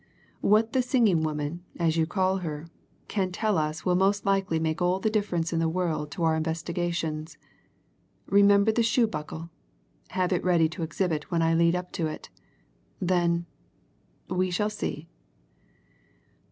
"What the singing woman, as you call her, can tell us will most likely make all the difference in the world to our investigations. Remember the shoe buckle! Have it ready to exhibit when I lead up to it. Then we shall see."